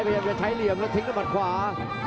พยายามจะใช้เหลี่ยมแล้วทิ้งด้วยมัดขวา